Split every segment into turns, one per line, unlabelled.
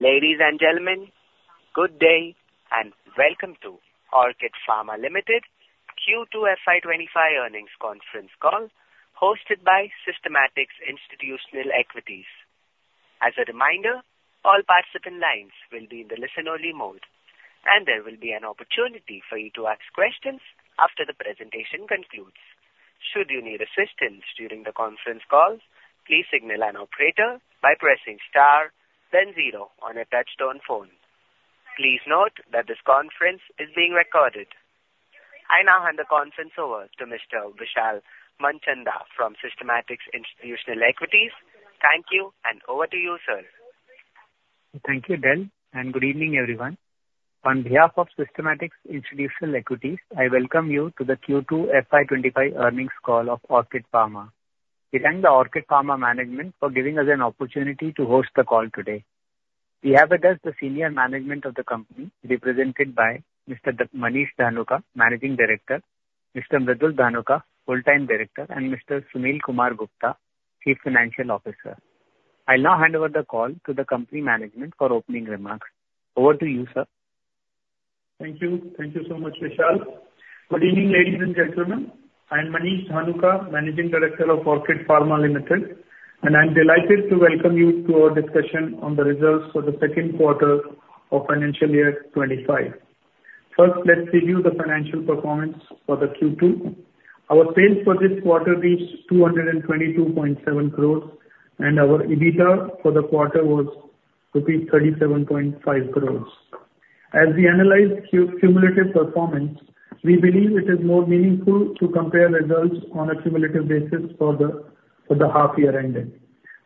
Ladies and gentlemen, good day and welcome to Orchid Pharma Limited Q2 FY 2025 earnings conference call hosted by Systematix Institutional Equities. As a reminder, all participant lines will be in the listen-only mode, and there will be an opportunity for you to ask questions after the presentation concludes. Should you need assistance during the conference call, please signal an operator by pressing star, then zero on a touch-tone phone. Please note that this conference is being recorded. I now hand the conference over to Mr. Vishal Manchanda from Systematix Institutional Equities. Thank you, and over to you, sir.
Thank you, Dan, and good evening, everyone. On behalf of Systematix Institutional Equities, I welcome you to the Q2 FY 2025 earnings call of Orchid Pharma. We thank the Orchid Pharma management for giving us an opportunity to host the call today. We have with us the senior management of the company, represented by Mr. Manish Dhanuka, Managing Director, Mr. Mridul Dhanuka, Full-Time Director, and Mr. Sunil Kumar Gupta, Chief Financial Officer. I'll now hand over the call to the company management for opening remarks. Over to you, sir.
Thank you. Thank you so much, Vishal. Good evening, ladies and gentlemen. I'm Manish Dhanuka, Managing Director of Orchid Pharma Limited, and I'm delighted to welcome you to our discussion on the results for the second quarter of financial year 2025. First, let's review the financial performance for the Q2. Our sales for this quarter reached 222.7 crores, and our EBITDA for the quarter was rupees 37.5 crores. As we analyze cumulative performance, we believe it is more meaningful to compare results on a cumulative basis for the half-year ending.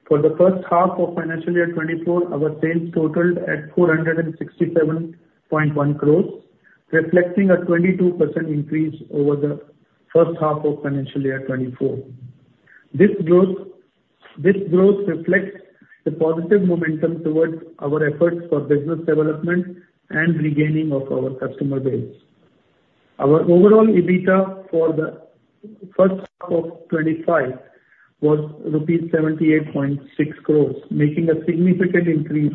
For the first half of financial year 2024, our sales totaled at 467.1 crores, reflecting a 22% increase over the first half of financial year 2024. This growth reflects the positive momentum toward our efforts for business development and regaining of our customer base. Our overall EBITDA for the first half of 2025 was rupees 78.6 crores, making a significant increase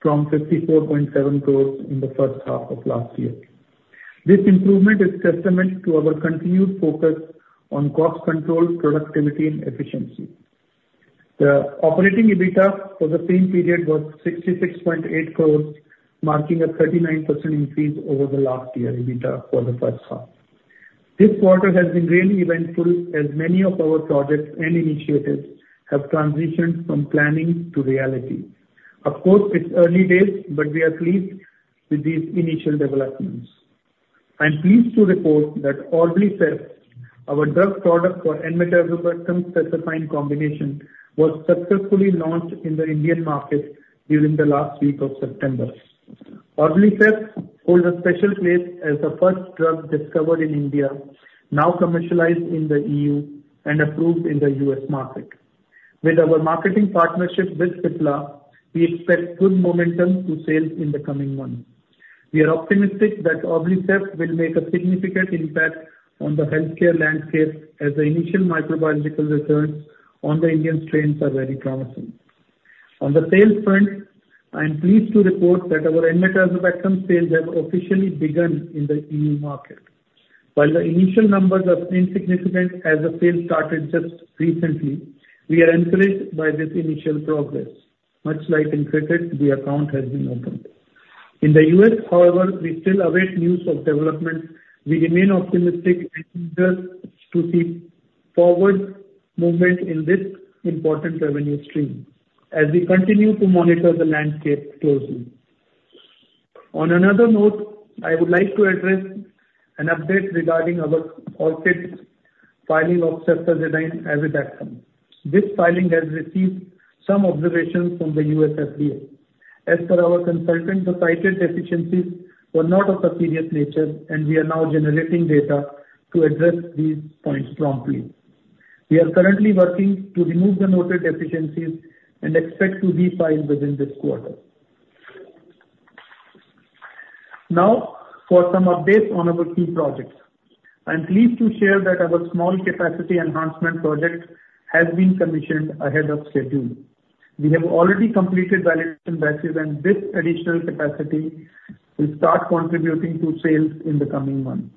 from 54.7 crores in the first half of last year. This improvement is a testament to our continued focus on cost control, productivity, and efficiency. The operating EBITDA for the same period was 66.8 crores, marking a 39% increase over the last year EBITDA for the first half. This quarter has been really eventful as many of our projects and initiatives have transitioned from planning to reality. Of course, it's early days, but we are pleased with these initial developments. I'm pleased to report that Orblicef, our drug product for Enmetazobactam-Cefepime combination, was successfully launched in the Indian market during the last week of September. Orblicef holds a special place as the first drug discovered in India, now commercialized in the EU and approved in the U.S. market. With our marketing partnership with Cipla, we expect good momentum to sales in the coming months. We are optimistic that Orblicef will make a significant impact on the healthcare landscape as the initial microbiological results on the Indian strains are very promising. On the sales front, I'm pleased to report that our Enmetazobactam sales have officially begun in the EU market. While the initial numbers are insignificant as the sales started just recently, we are encouraged by this initial progress. Much like in cricket, the account has been opened. In the United States, however, we still await news of developments. We remain optimistic and eager to see forward movement in this important revenue stream as we continue to monitor the landscape closely. On another note, I would like to address an update regarding our Orchid's filing of Ceftazidime Avibactam. This filing has received some observations from the U.S. FDA. As per our consultant, the cited deficiencies were not of a serious nature, and we are now generating data to address these points promptly. We are currently working to remove the noted deficiencies and expect to be filed within this quarter. Now, for some updates on our key projects. I'm pleased to share that our small capacity enhancement project has been commissioned ahead of schedule. We have already completed validation batches, and this additional capacity will start contributing to sales in the coming months.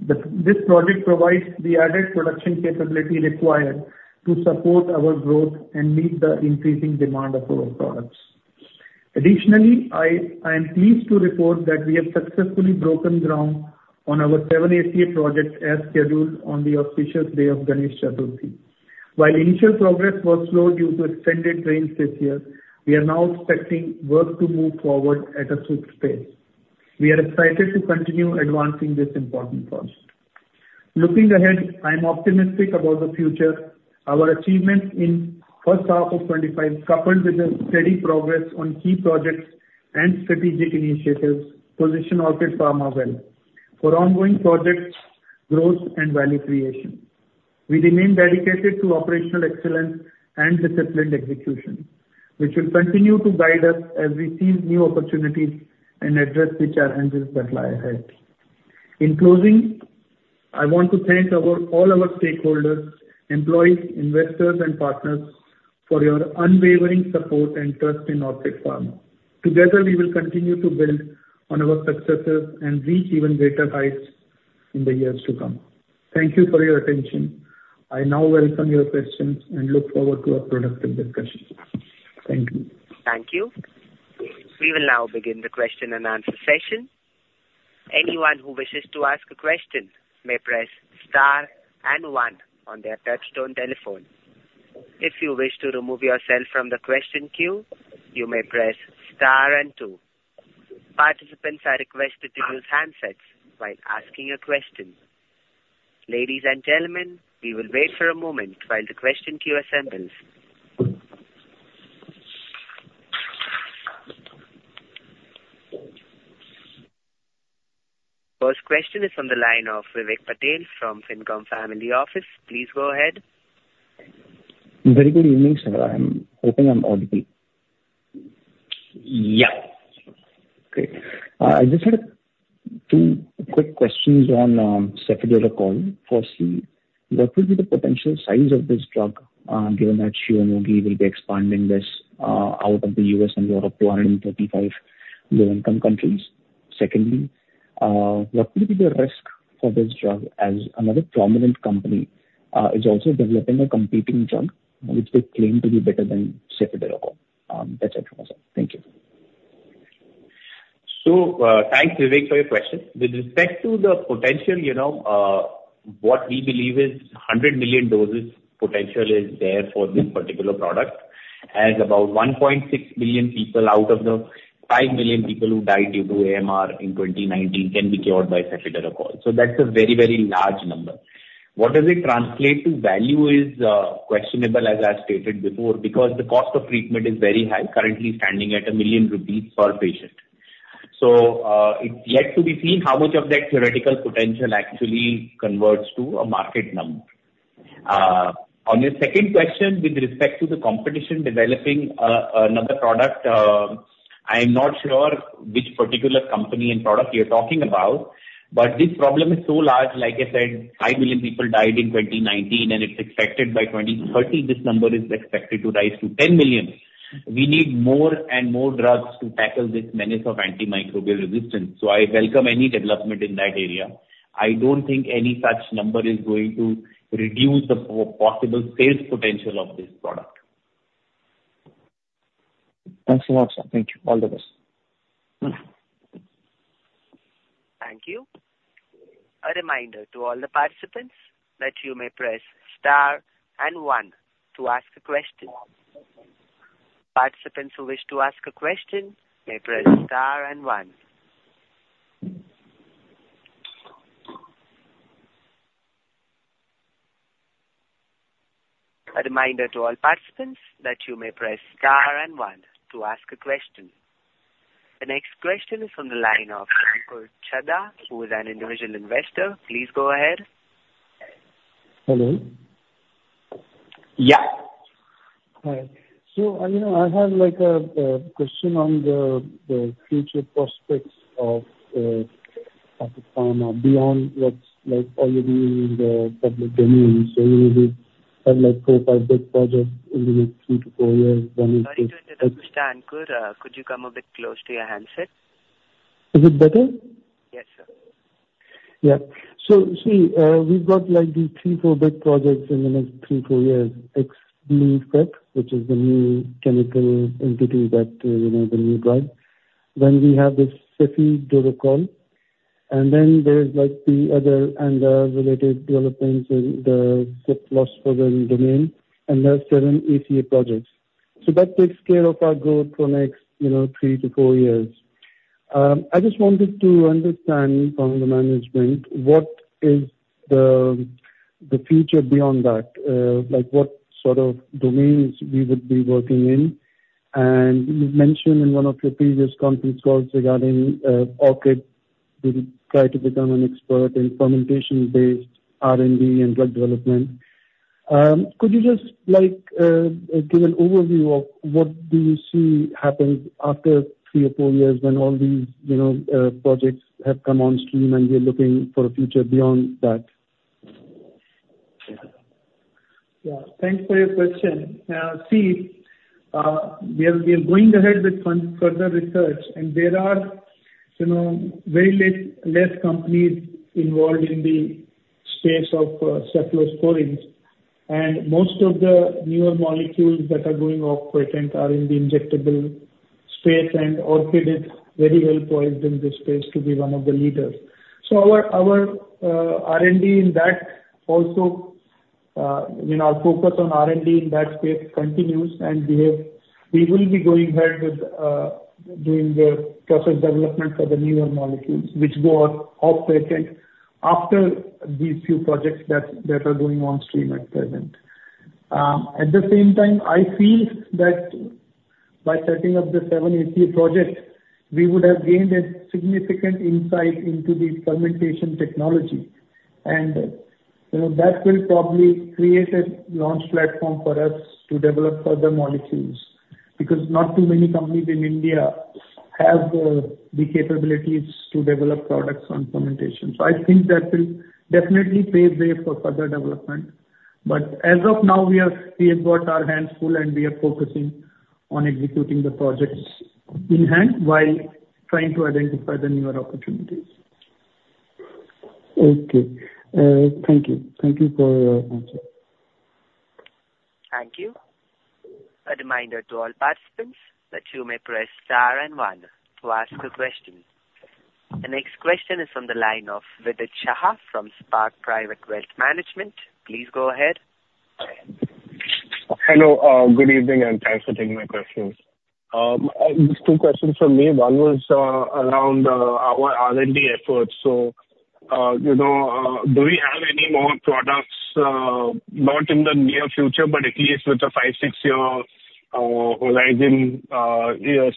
This project provides the added production capability required to support our growth and meet the increasing demand of our products. Additionally, I am pleased to report that we have successfully broken ground on our 7-ACA projects as scheduled on the auspicious day of Ganesh Chaturthi. While initial progress was slow due to extended rains this year, we are now expecting work to move forward at a swift pace. We are excited to continue advancing this important project. Looking ahead, I'm optimistic about the future. Our achievements in the first half of 2025, coupled with the steady progress on key projects and strategic initiatives, position Orchid Pharma well for ongoing project growth and value creation. We remain dedicated to operational excellence and disciplined execution, which will continue to guide us as we seize new opportunities and address the challenges that lie ahead. In closing, I want to thank all our stakeholders, employees, investors, and partners for your unwavering support and trust in Orchid Pharma. Together, we will continue to build on our successes and reach even greater heights in the years to come. Thank you for your attention. I now welcome your questions and look forward to our productive discussion. Thank you.
Thank you. We will now begin the question-and-answer session. Anyone who wishes to ask a question may press star and one on their touch-tone telephone. If you wish to remove yourself from the question queue, you may press star and two. Participants are requested to use handsets while asking a question. Ladies and gentlemen, we will wait for a moment while the question queue assembles. First question is from the line of Vivek Patel from Ficom Family Office. Please go ahead.
Very good evening, sir. I'm hoping I'm audible.
Yep.
Great. I just had two quick questions on Cefiderocol firstly. What would be the potential size of this drug given that Shionogi will be expanding this out of the U.S. and Europe to 135 low-income countries? Secondly, what would be the risk for this drug as another prominent company is also developing a competing drug which they claim to be better than Cefiderocol? That's it from myself. Thank you.
Thanks, Vivek, for your question. With respect to the potential, what we believe is 100 million doses potential is there for this particular product, as about 1.6 million people out of the 5 million people who died due to AMR in 2019 can be cured by Cefiderocol. That's a very, very large number. What does it translate to? Value is questionable, as I stated before, because the cost of treatment is very high, currently standing at 1 million rupees per patient. It's yet to be seen how much of that theoretical potential actually converts to a market number. On your second question, with respect to the competition developing another product, I'm not sure which particular company and product you're talking about, but this problem is so large. Like I said, 5 million people died in 2019, and it's expected by 2030 this number is expected to rise to 10 million. We need more and more drugs to tackle this menace of antimicrobial resistance. So I welcome any development in that area. I don't think any such number is going to reduce the possible sales potential of this product.
Thanks so much. Thank you. All the best.
Thank you. A reminder to all the participants that you may press star and one to ask a question. Participants who wish to ask a question may press star and one. A reminder to all participants that you may press star and one to ask a question. The next question is from the line of Ankur Chadha, who is an individual investor. Please go ahead. Hello. Yeah. Hi. So I have a question on the future prospects of Orchid Pharma beyond what's already in the public domain. So we have four or five big projects in the next 3-4 years. I do understand. Could you come a bit close to your handset? Is it better? Yes, sir. Yeah. So see, we've got these three or four big projects in the next three to four years. Exblifep, which is the new chemical entity that the new drug, then we have this Cefiderocol, and then there's the other and the related developments in the cephalosporin domain, and there are 7-ACA projects. So that takes care of our growth for the next three to four years. I just wanted to understand from the management what is the future beyond that, what sort of domains we would be working in. You mentioned in one of your previous conference calls regarding Orchid will try to become an expert in fermentation-based R&D and drug development. Could you just give an overview of what do you see happens after three or four years when all these projects have come on stream and you're looking for a future beyond that?
Yeah. Thanks for your question. Now, see, we are going ahead with further research, and there are very few companies involved in the space of cephalosporins. And most of the newer molecules that are going off patent are in the injectable space, and Orchid is very well poised in this space to be one of the leaders. So our R&D in that, also our focus on R&D in that space continues, and we will be going ahead with doing the process development for the newer molecules, which go off patent after these few projects that are going on stream at present. At the same time, I feel that by setting up the 7-ACA projects, we would have gained a significant insight into the fermentation technology, and that will probably create a launch platform for us to develop further molecules because not too many companies in India have the capabilities to develop products on fermentation. So I think that will definitely pave the way for further development. But as of now, we have got our hands full, and we are focusing on executing the projects in hand while trying to identify the newer opportunities. Okay. Thank you. Thank you for your answer.
Thank you. A reminder to all participants that you may press star and one to ask a question. The next question is from the line of Vidit Shah from Spark Private Wealth Management. Please go ahead.
Hello. Good evening, and thanks for taking my questions. Just two questions from me. One was around our R&D efforts. So do we have any more products not in the near future, but at least with a 5-6 year horizon,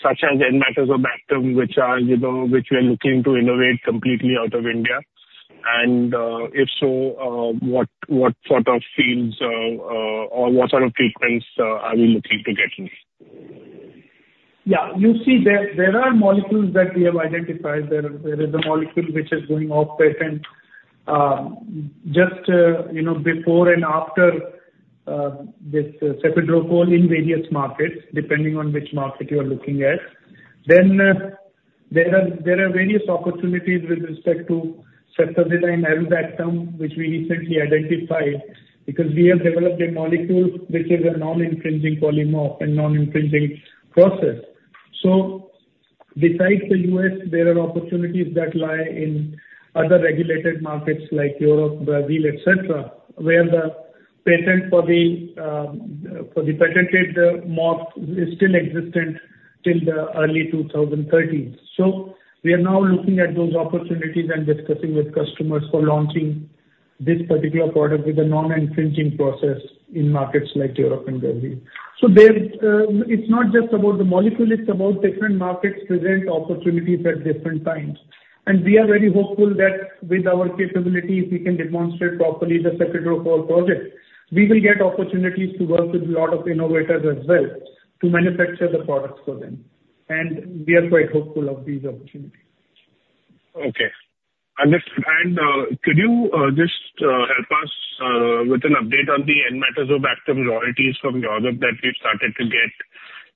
such as Enmetazobactam, which we are looking to innovate completely out of India? And if so, what sort of fields or what sort of treatments are we looking to get in?
Yeah. You see, there are molecules that we have identified. There is a molecule which is going off patent just before and after this Cefiderocol in various markets, depending on which market you are looking at. Then there are various opportunities with respect to Ceftazidime and Avibactam, which we recently identified because we have developed a molecule which is a non-infringing polymorph and non-infringing process. So besides the U.S., there are opportunities that lie in other regulated markets like Europe, Brazil, etc., where the patent for the patented morph is still existent till the early 2030s. So we are now looking at those opportunities and discussing with customers for launching this particular product with a non-infringing process in markets like Europe and Brazil. So it's not just about the molecule. It's about different markets present opportunities at different times. We are very hopeful that with our capabilities, we can demonstrate properly the Cefiderocol project. We will get opportunities to work with a lot of innovators as well to manufacture the products for them. We are quite hopeful of these opportunities.
Okay. Understood. And could you just help us with an update on the Enmetazobactam royalties from Europe that we've started to get?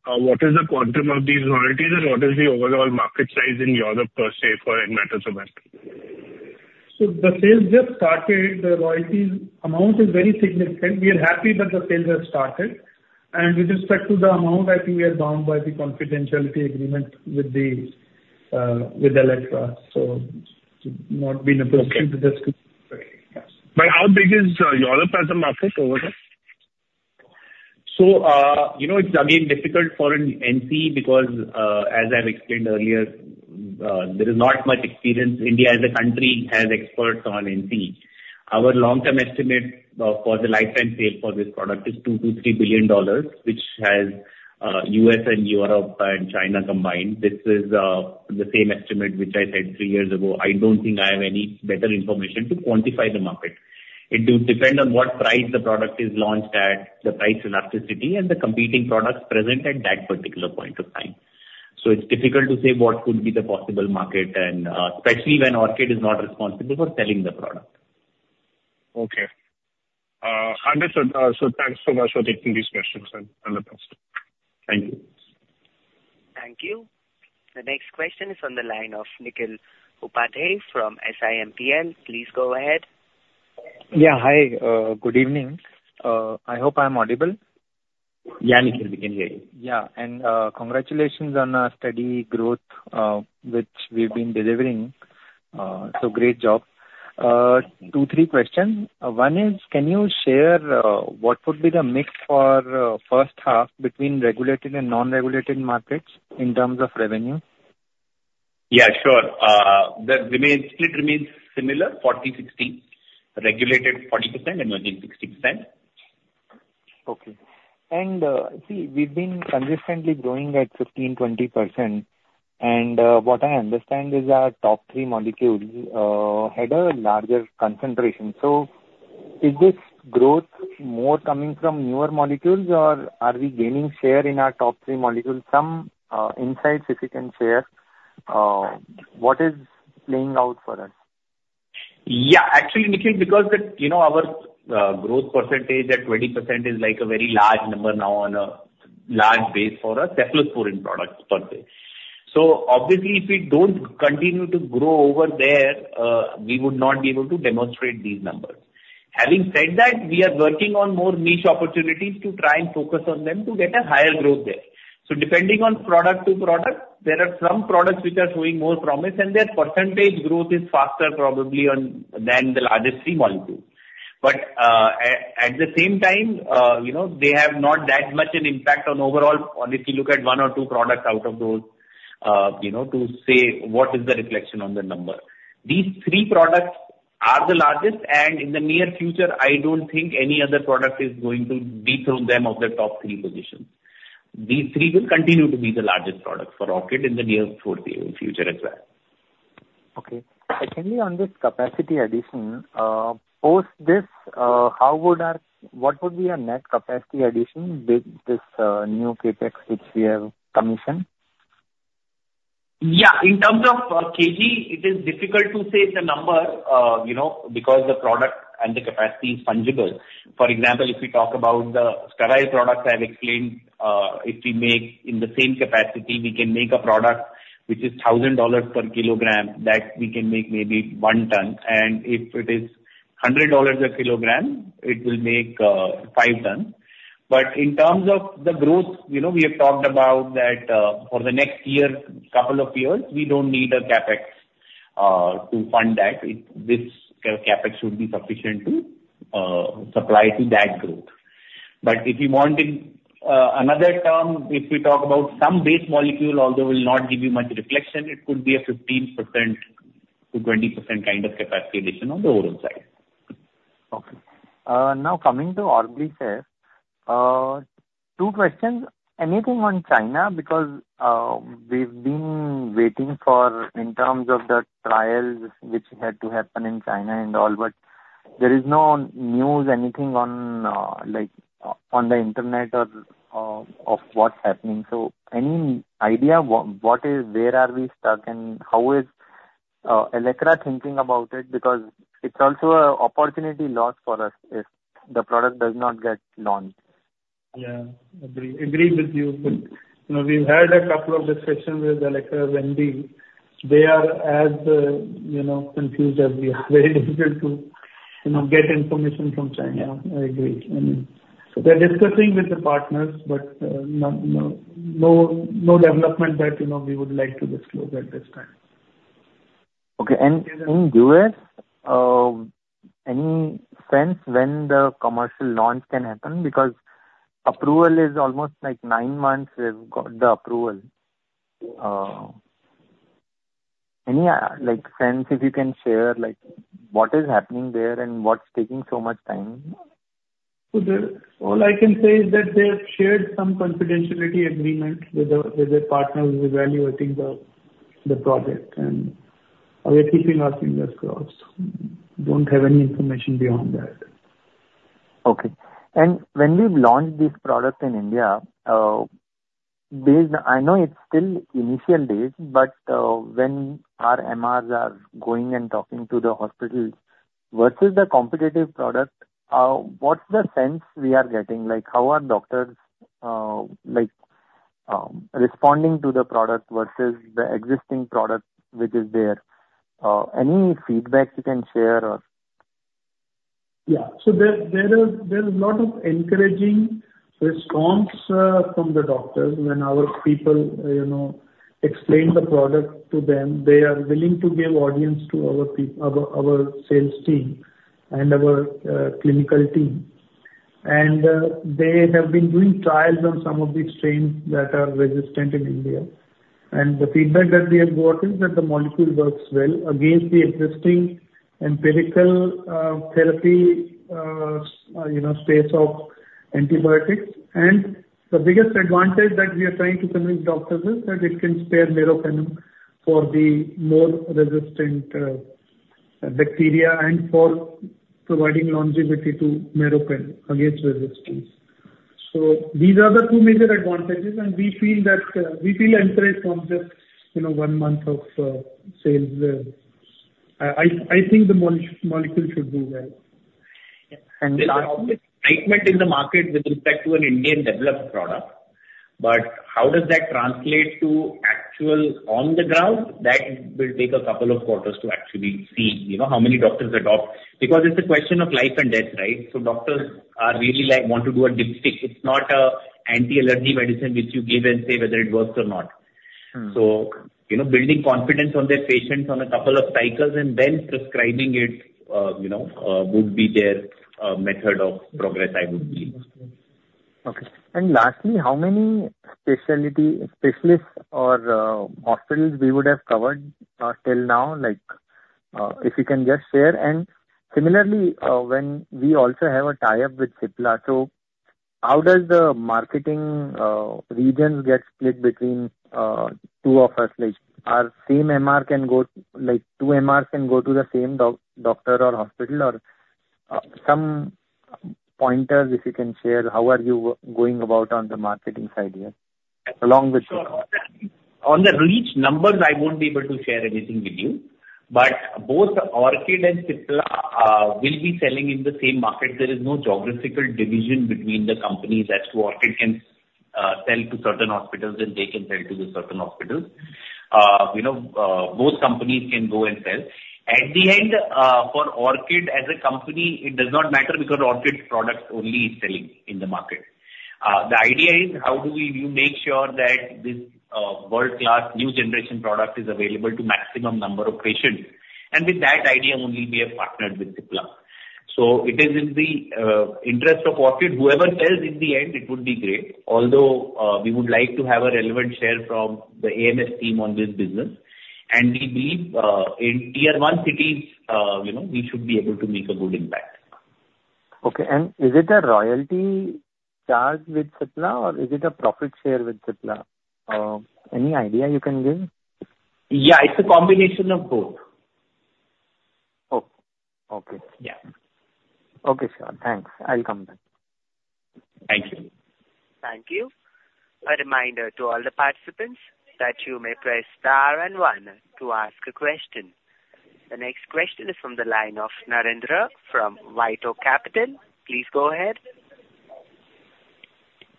What is the quantum of these royalties, and what is the overall market size in Europe per se for Enmetazobactam?
The sales just started. The royalties amount is very significant. We are happy that the sales have started. And with respect to the amount, I think we are bound by the confidentiality agreement with Allecra. So, we have not been able to disclose the amount.
But how big is Europe as a market overall?
So it's again difficult for an NCE because, as I've explained earlier, there is not much experience. India as a country has experts on NCE. Our long-term estimate for the lifetime sale for this product is $2 billion-$3 billion, which has U.S. and Europe and China combined. This is the same estimate which I said three years ago. I don't think I have any better information to quantify the market. It will depend on what price the product is launched at, the price elasticity, and the competing products present at that particular point of time. So it's difficult to say what could be the possible market, especially when Orchid is not responsible for selling the product.
Okay. Understood. So thanks so much for taking these questions. And all the best. Thank you.
Thank you. The next question is from the line of Nikhil Upadhyay from SIMPL. Please go ahead.
Yeah. Hi. Good evening. I hope I'm audible.
Yeah, Nikhil, we can hear you.
Yeah. And congratulations on our steady growth, which we've been delivering. So great job. Two or three questions. One is, can you share what would be the mix for first half between regulated and non-regulated markets in terms of revenue?
Yeah, sure. It remains similar, 40%-60%, regulated 40% and emerging 60%.
Okay. And see, we've been consistently growing at 15%-20%. And what I understand is our top three molecules had a larger concentration. So is this growth more coming from newer molecules, or are we gaining share in our top three molecules? Some insights, if you can share, what is playing out for us?
Yeah. Actually, Nikhil, because our growth percentage at 20% is a very large number now on a large base for our cephalosporin products per se. So obviously, if we don't continue to grow over there, we would not be able to demonstrate these numbers. Having said that, we are working on more niche opportunities to try and focus on them to get a higher growth there. So depending on product to product, there are some products which are showing more promise, and their percentage growth is faster probably than the largest three molecules. But at the same time, they have not that much an impact on overall if you look at one or two products out of those to say what is the reflection on the number. These three products are the largest, and in the near future, I don't think any other product is going to dethrone them of the top three positions. These three will continue to be the largest products for Orchid in the near future as well.
Okay. Secondly, on this capacity addition, post this, what would be our net capacity addition with this new CapEx which we have commissioned?
Yeah. In terms of kg, it is difficult to say the number because the product and the capacity is fungible. For example, if we talk about the sterile products, I have explained if we make in the same capacity, we can make a product which is $1,000 per kg that we can make maybe one ton. And if it is $100 a kg, it will make five tons. But in terms of the growth, we have talked about that for the next year, couple of years, we don't need a CapEx to fund that. This CapEx should be sufficient to supply to that growth. But if you want another term, if we talk about some base molecule, although it will not give you much reflection, it could be a 15%-20% kind of capacity addition on the overall side.
Okay. Now, coming to Orblicef, two questions. Anything on China? Because we've been waiting in terms of the trials which had to happen in China and all, but there is no news, anything on the internet of what's happening. So any idea where are we stuck and how is Allecra thinking about it? Because it's also an opportunity lost for us if the product does not get launched.
Yeah. I agree with you. We've had a couple of discussions with Allecra's MD. They are as confused as we are. Very difficult to get information from China. I agree. And we're discussing with the partners, but no development that we would like to disclose at this time.
Okay. And in India, any sense when the commercial launch can happen? Because approval is almost nine months. We've got the approval. Any sense, if you can share, what is happening there and what's taking so much time?
So all I can say is that they have shared some confidentiality agreement with their partners evaluating the project, and we're keeping our fingers crossed. Don't have any information beyond that.
Okay. And when we launched this product in India, I know it's still initial days, but when our MRs are going and talking to the hospitals versus the competitive product, what's the sense we are getting? How are doctors responding to the product versus the existing product which is there? Any feedback you can share?
Yeah, so there is a lot of encouraging response from the doctors when our people explain the product to them. They are willing to give audience to our sales team and our clinical team, and they have been doing trials on some of the strains that are resistant in India, and the feedback that we have got is that the molecule works well against the existing empirical therapy space of antibiotics, and the biggest advantage that we are trying to convince doctors is that it can spare Meropenem for the more resistant bacteria and for providing longevity to Meropenem against resistance, so these are the two major advantages, and we feel encouraged from just one month of sales. I think the molecule should do well.
There's always excitement in the market with respect to an Indian-developed product. How does that translate to actual on-the-ground? That will take a couple of quarters to actually see how many doctors adopt. Because it's a question of life and death, right? Doctors really want to do a dipstick. It's not an anti-allergy medicine which you give and say whether it works or not. Building confidence on their patients on a couple of cycles and then prescribing it would be their method of progress, I would believe.
Okay. And lastly, how many specialists or hospitals we would have covered till now? If you can just share. And similarly, when we also have a tie-up with Cipla, so how does the marketing regions get split between two of us? Our same MR can go two MRs can go to the same doctor or hospital. Some pointers, if you can share, how are you going about on the marketing side here along with?
On the reach numbers, I won't be able to share anything with you. But both Orchid and Cipla will be selling in the same market. There is no geographical division between the companies as to Orchid can sell to certain hospitals and they can sell to the certain hospitals. Both companies can go and sell. At the end, for Orchid as a company, it does not matter because Orchid's product only is selling in the market. The idea is, how do we make sure that this world-class new generation product is available to maximum number of patients? And with that idea, only we have partnered with Cipla. So it is in the interest of Orchid. Whoever sells in the end, it would be great. Although we would like to have a relevant share from the AMS team on this business. We believe in tier one cities, we should be able to make a good impact.
Okay. And is it a royalty charge with Cipla, or is it a profit share with Cipla? Any idea you can give?
Yeah. It's a combination of both.
Okay. Okay. Yeah. Okay, sure. Thanks. I'll come back.
Thank you. Thank you. A reminder to all the participants that you may press star and one to ask a question. The next question is from the line of Narendra from WhiteOak Capital. Please go ahead.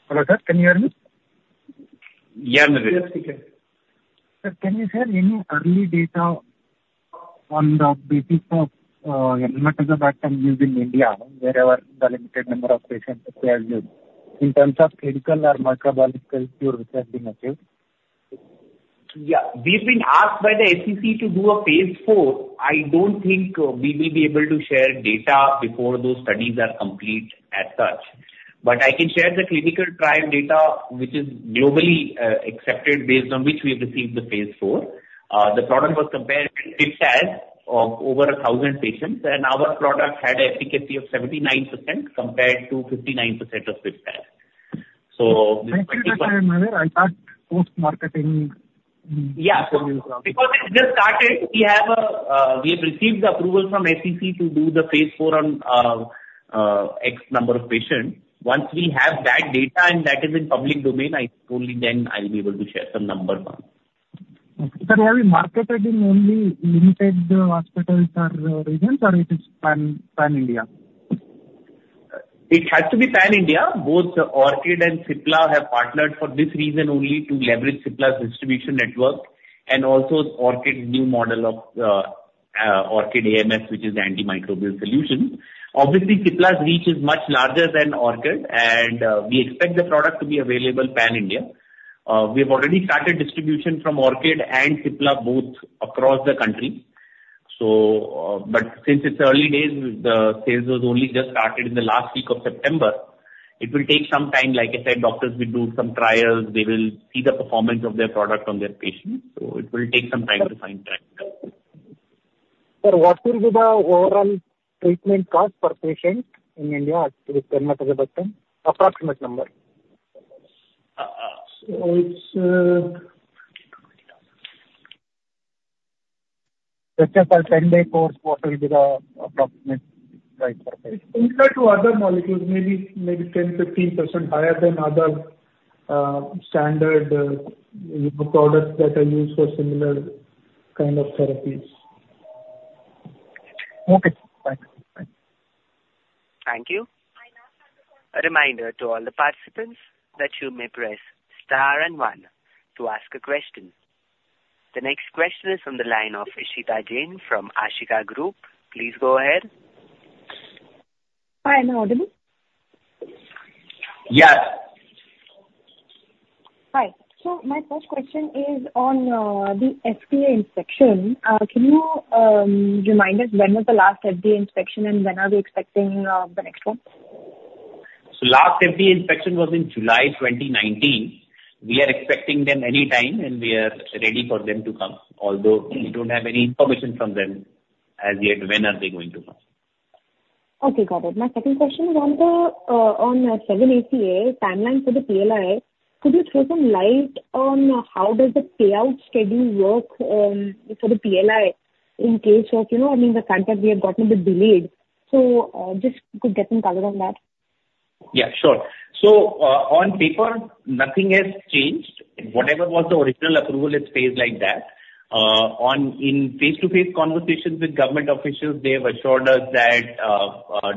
Hello, sir. Can you hear me?
Yeah, Narendra.
Yes, we can. Sir, can you share any early data on the basis of Enmetazobactam used in India, wherever the limited number of patients is surgery, in terms of clinical or microbiological cure which has been achieved?
Yeah. We've been asked by the SEC to do a Phase IV. I don't think we will be able to share data before those studies are complete as such. But I can share the clinical trial data which is globally accepted based on which we have received the Phase IV. The product was compared with Pip-Taz of over 1,000 patients, and our product had an efficacy of 79% compared to 59% of Pip-Taz. So this particular.
I'm aware I thought post marketing means…
Yeah. Because it just started. We have received the approval from SEC to do the Phase IV on X number of patients. Once we have that data and that is in public domain, only then I'll be able to share some number one.
Sir, have you marketed in only limited hospitals or regions, or is it pan-India?
It has to be pan-India. Both Orchid and Cipla have partnered for this reason only to leverage Cipla's distribution network and also Orchid's new model of Orchid AMS, which is antimicrobial solution. Obviously, Cipla's reach is much larger than Orchid, and we expect the product to be available pan-India. We have already started distribution from Orchid and Cipla both across the country. But since it's early days, the sales was only just started in the last week of September. It will take some time. Like I said, doctors will do some trials. They will see the performance of their product on their patients. So it will take some time to find trials.
Sir, what would be the overall treatment cost per patient in India with Enmetazobactam? Approximate number.
So it's.
Just for a 10-day course, what will be the approximate price per patient?
It's similar to other molecules, maybe 10%-15% higher than other standard products that are used for similar kind of therapies.
Okay. Thank you.
Thank you. A reminder to all the participants that you may press star and one to ask a question. The next question is from the line of Ishita Jain from Ashika Group. Please go ahead.
Hi. Am I audible?
Yes.
Hi. So my first question is on the FDA inspection. Can you remind us when was the last FDA inspection, and when are we expecting the next one?
Last FDA inspection was in July 2019. We are expecting them anytime, and we are ready for them to come. Although we don't have any information from them as yet, when are they going to come?
Okay. Got it. My second question is on the 7-ACA timeline for the PLI. Could you throw some light on how does the payout schedule work for the PLI in case of, I mean, the contract we have gotten a bit delayed? So just to get some color on that.
Yeah. Sure. So on paper, nothing has changed. Whatever was the original approval, it stays like that. In face-to-face conversations with government officials, they have assured us that,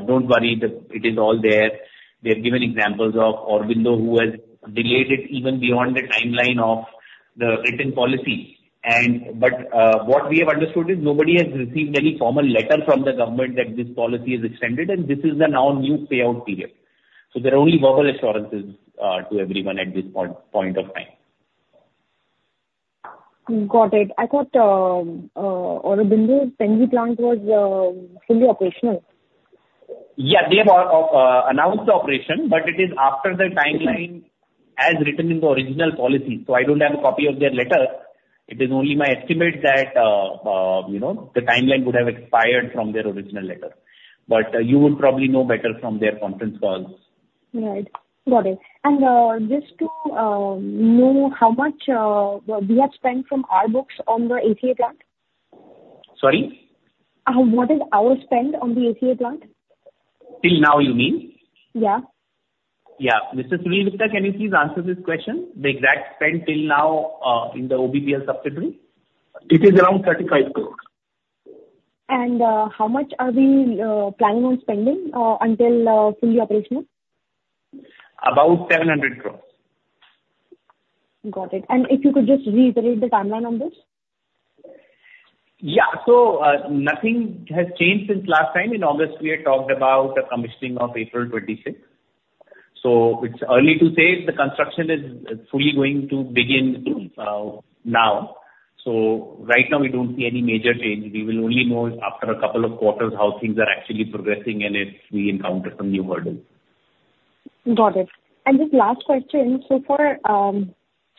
"Don't worry. It is all there." They have given examples of Aurobindo who has delayed it even beyond the timeline of the written policy. But what we have understood is nobody has received any formal letter from the government that this policy is extended, and this is the now new payout period. So there are only verbal assurances to everyone at this point of time.
Got it. I thought Aurobindo's penicillin plant was fully operational.
Yeah. They have announced the operation, but it is after the timeline as written in the original policy. So I don't have a copy of their letter. It is only my estimate that the timeline would have expired from their original letter. But you would probably know better from their conference calls.
Right. Got it. And just to know how much we have spent from our books on the 7-ACA plant?
Sorry?
What is our spend on the 7-ACA plant?
Till now, you mean?
Yeah.
Yeah. Mr. Sunil Gupta, can you please answer this question? The exact spend till now in the OBPL subsidiary?
It is around 35 crores.
How much are we planning on spending until fully operational?
About 700 crores.
Got it. And if you could just reiterate the timeline on this.
Yeah. So nothing has changed since last time. In August, we had talked about a commissioning of April 26th. So it's early to say the construction is fully going to begin now. So right now, we don't see any major change. We will only know after a couple of quarters how things are actually progressing and if we encounter some new hurdles.
Got it. And just last question. So far,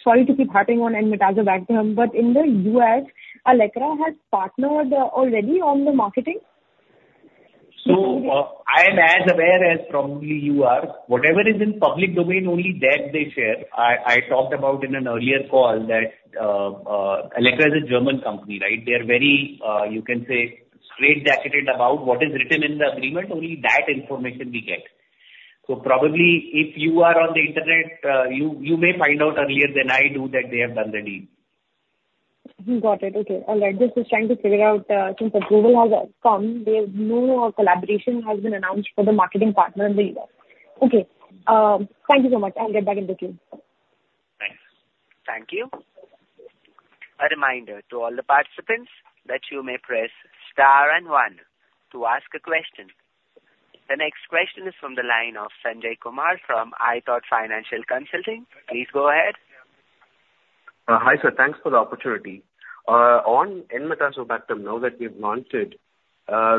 sorry to keep harping on Enmetazobactam, but in the U.S., Allecra has partnered already on the marketing?
So I am as aware as probably you are. Whatever is in public domain, only that they share. I talked about in an earlier call that Allecra is a German company, right? They are very, you can say, straight-jacketed about what is written in the agreement. Only that information we get. So probably if you are on the internet, you may find out earlier than I do that they have done the deal.
Got it. Okay. All right. Just was trying to figure out since approval has come, no collaboration has been announced for the marketing partner in the U.S. Okay. Thank you so much. I'll get back in touch with you.
Thanks. Thank you. A reminder to all the participants that you may press star and one to ask a question. The next question is from the line of Sanjay Kumar from iThought Financial Consulting. Please go ahead.
Hi, sir. Thanks for the opportunity. On Enmetazobactam, now that we've launched it,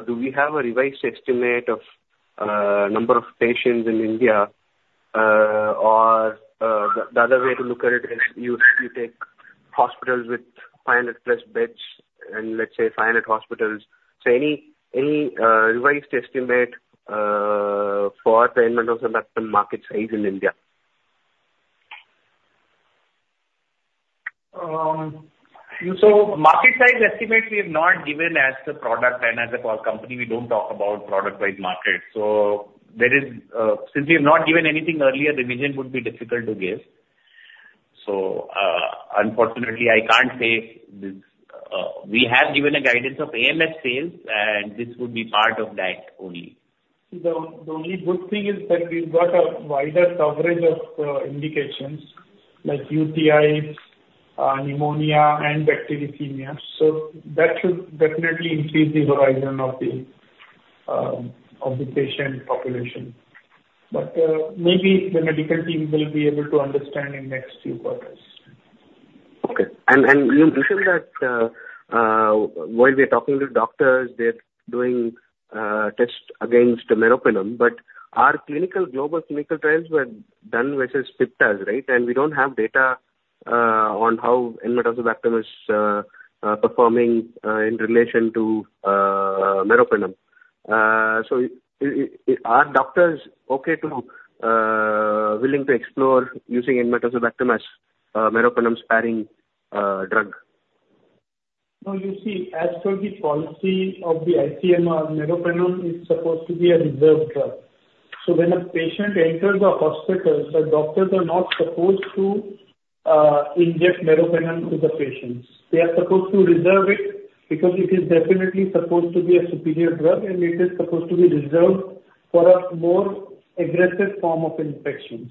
do we have a revised estimate of number of patients in India? Or the other way to look at it is you take hospitals with 500+ beds and let's say 500 hospitals. So any revised estimate for Enmetazobactam market size in India?
So, market size estimates we have not given as the product and as a company. We don't talk about product-wide market. So since we have not given anything earlier, the vision would be difficult to give. So unfortunately, I can't say this. We have given a guidance of AMS sales, and this would be part of that only.
The only good thing is that we've got a wider coverage of indications like UTIs, pneumonia, and bacteremia. So that should definitely increase the horizon of the patient population. But maybe the medical team will be able to understand in the next few quarters.
Okay. And you mentioned that while we are talking to doctors, they're doing tests against meropenem. But our global clinical trials were done versus Pip-Taz, right? And we don't have data on how Enmetazobactam is performing in relation to meropenem. So are doctors okay to willing to explore using Enmetazobactam as meropenem-sparing drug?
No, you see, as per the policy of the ICMR, Meropenem is supposed to be a reserved drug. So when a patient enters a hospital, the doctors are not supposed to inject Meropenem to the patients. They are supposed to reserve it because it is definitely supposed to be a superior drug, and it is supposed to be reserved for a more aggressive form of infections.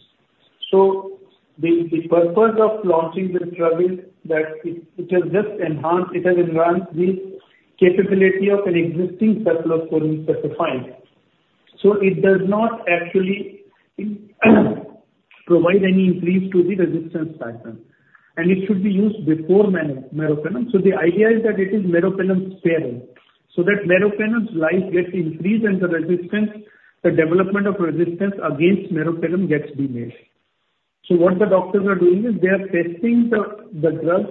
So the purpose of launching this drug is that it has just enhanced the capability of an existing cephalosporin spectrum. So it does not actually provide any increase to the resistance factor. And it should be used before Meropenem. So the idea is that it is Meropenem-sparing. So that Meropenem's life gets increased and the development of resistance against Meropenem gets delayed. So what the doctors are doing is they are testing the drug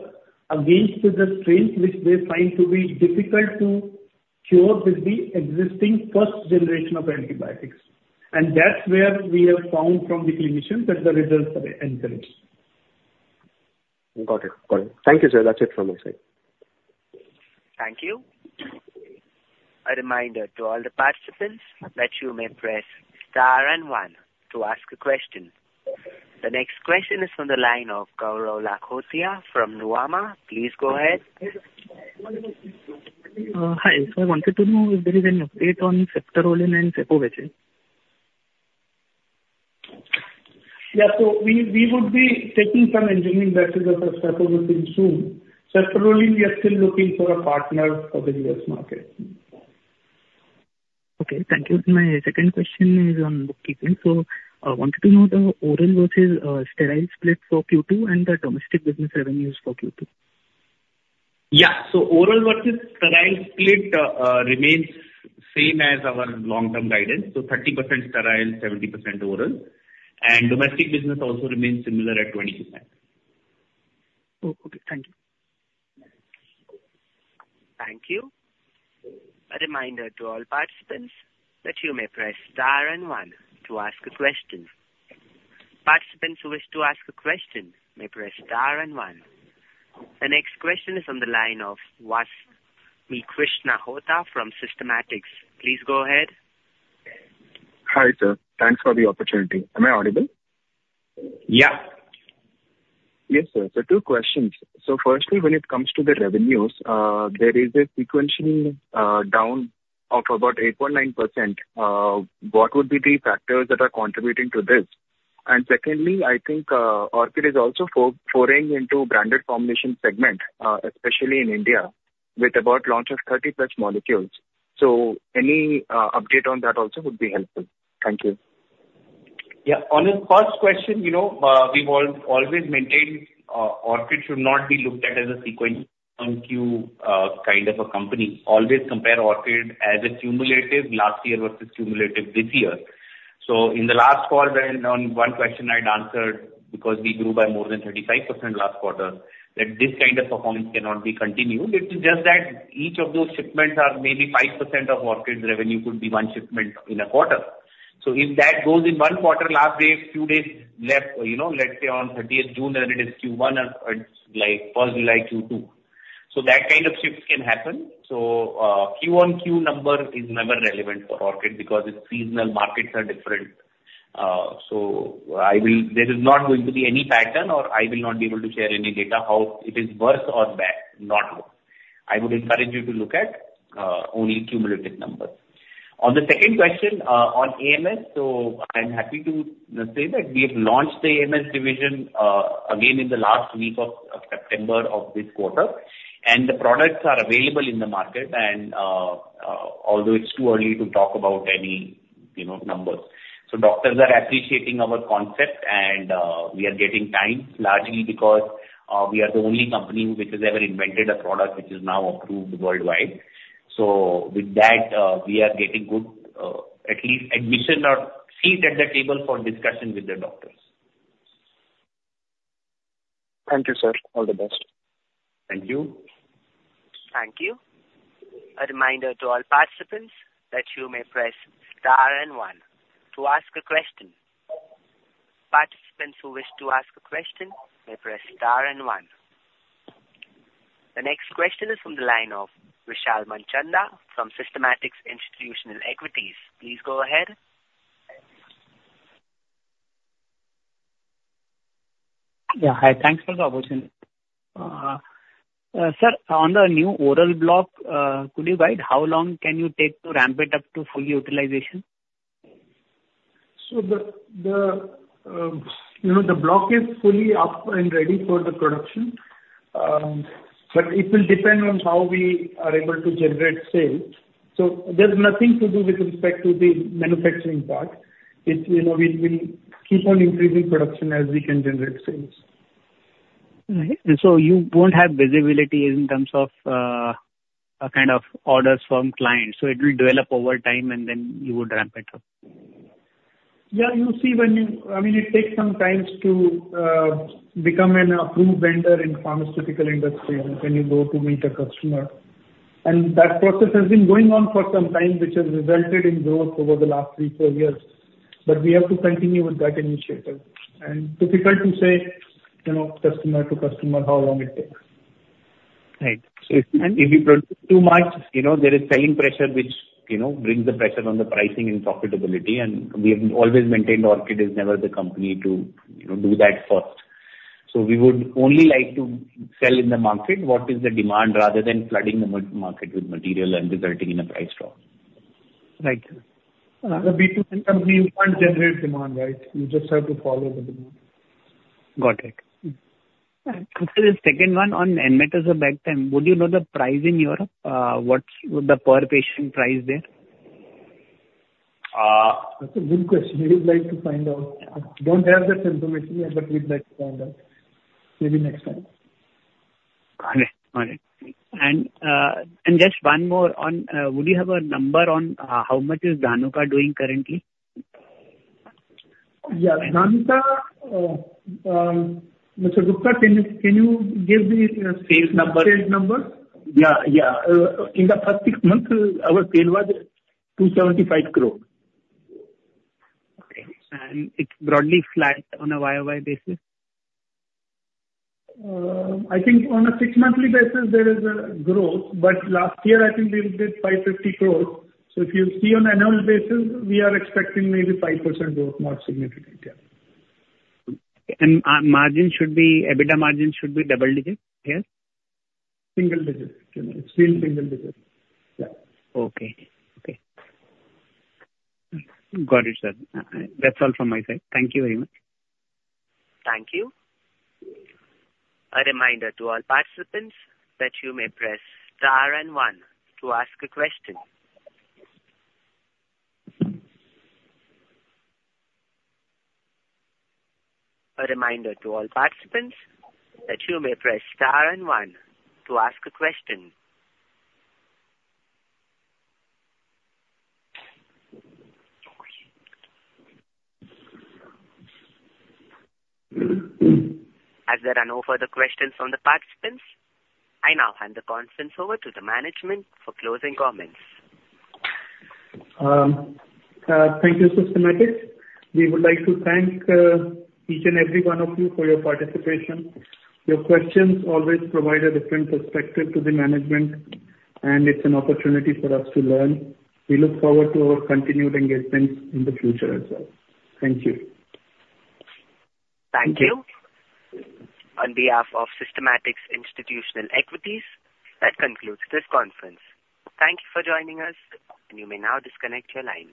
against the strains which they find to be difficult to cure with the existing first generation of antibiotics. And that's where we have found from the clinicians that the results are encouraging.
Got it. Got it. Thank you, sir. That's it from my side.
Thank you. A reminder to all the participants that you may press star and one to ask a question. The next question is from the line of Gaurav Lakhotia from Nuvama. Please go ahead.
Hi, so I wanted to know if there is any update on Ceftaroline and Cefovecin.
Yeah. So we would be taking some engineering versions of Ceftaroline soon. Ceftaroline, we are still looking for a partner for the U.S. market.
Okay. Thank you. My second question is on bookings. So I wanted to know the oral versus sterile split for Q2 and the domestic business revenues for Q2?
Yeah, so oral versus sterile split remains same as our long-term guidance, so 30% sterile, 70% oral, and domestic business also remains similar at 22%.
Oh, okay. Thank you.
Thank you. A reminder to all participants that you may press star and one to ask a question. Participants who wish to ask a question may press star and one. The next question is from the line of Vamsi Krishna Hota from Systematix. Please go ahead.
Hi, sir. Thanks for the opportunity. Am I audible?
Yeah.
Yes, sir. So two questions. So firstly, when it comes to the revenues, there is a sequential down of about 8.9%. What would be the factors that are contributing to this? And secondly, I think Orchid is also foraying into branded formulation segment, especially in India, with about launch of 30+ molecules. So any update on that also would be helpful. Thank you.
Yeah. On the first question, we've always maintained Orchid should not be looked at as a sequential kind QoQ of a company. Always compare Orchid as a cumulative last year versus cumulative this year. So in the last call, there was one question I'd answered because we grew by more than 35% last quarter that this kind of performance cannot be continued. It is just that each of those shipments are maybe 5% of Orchid's revenue could be one shipment in a quarter. So if that goes in one quarter last day, a few days left, let's say on June 30th, then it is Q1 or first July Q2. So that kind of shift can happen. So QoQ number is never relevant for Orchid because its seasonal markets are different. There is not going to be any pattern, or I will not be able to share any data how it is worse or not worse. I would encourage you to look at only cumulative numbers. On the second question on AMS, I'm happy to say that we have launched the AMS division again in the last week of September of this quarter. The products are available in the market, although it's too early to talk about any numbers. Doctors are appreciating our concept, and we are getting time largely because we are the only company which has ever invented a product which is now approved worldwide. With that, we are getting good, at least admission or seat at the table for discussion with the doctors.
Thank you, sir. All the best.
Thank you. Thank you. A reminder to all participants that you may press star and one to ask a question. Participants who wish to ask a question may press star and one. The next question is from the line of Vishal Manchanda from Systematix Institutional Equities. Please go ahead.
Yeah. Hi. Thanks for the opportunity. Sir, on the new oral block, could you guide how long can you take to ramp it up to full utilization?
So the block is fully up and ready for the production, but it will depend on how we are able to generate sales. So there's nothing to do with respect to the manufacturing part. We will keep on increasing production as we can generate sales.
All right. And so you won't have visibility in terms of kind of orders from clients. So it will develop over time, and then you would ramp it up.
Yeah. You see, I mean, it takes some time to become an approved vendor in the pharmaceutical industry when you go to meet a customer. And that process has been going on for some time, which has resulted in growth over the last three, four years. But we have to continue with that initiative and difficult to say customer to customer how long it takes.
Right. So if you produce too much, there is selling pressure, which brings the pressure on the pricing and profitability. And we have always maintained Orchid is never the company to do that first. So we would only like to sell in the market what is the demand rather than flooding the market with material and resulting in a price drop.
Right.
The B2B companies can't generate demand, right? You just have to follow the demand.
Got it. And for the second one on Enmetazobactam, would you know the price in Europe? What's the per patient price there?
That's a good question. We would like to find out. Don't have that information yet, but we'd like to find out. Maybe next time.
Got it. Got it. And just one more on would you have a number on how much is Dhanuka doing currently?
Yeah. Mr. Gupta, can you give me a sales number?
Sales number? In the first six months, our sales was 275 crores.
Okay. And it's broadly flat on a YoY basis?
I think on a six-monthly basis, there is a growth. But last year, I think we did 550 crores. So if you see on annual basis, we are expecting maybe 5% growth, not significant. Yeah.
Margin should be EBITDA margin should be double digit here?
Single digit. It's still single digit. Yeah.
Okay. Okay. Got it, sir. That's all from my side. Thank you very much.
Thank you. A reminder to all participants that you may press star and one to ask a question. A reminder to all participants that you may press star and one to ask a question. Are there any further questions from the participants? I now hand the conference over to the management for closing comments.
Thank you, Systematix. We would like to thank each and every one of you for your participation. Your questions always provide a different perspective to the management, and it's an opportunity for us to learn. We look forward to our continued engagements in the future as well. Thank you.
Thank you. On behalf of Systematix Institutional Equities, that concludes this conference. Thank you for joining us, and you may now disconnect your lines.